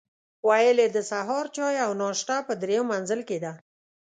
ویل یې د سهار چای او ناشته په درېیم منزل کې ده.